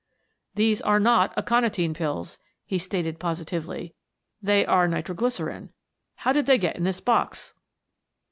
"These are not aconitine pills," he stated positively. "They are nitro glycerine. How did they get in this box?"